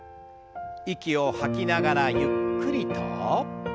息を吐きながらゆっくりと。